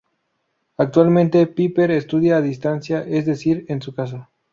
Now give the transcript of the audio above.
Actualmente, Piper estudia a distancia, es decir, en su casa.